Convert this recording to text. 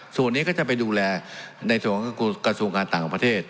ส่วนนี้ก็จะไปดูแลในส่วนของกระทรวงการต่างประเทศ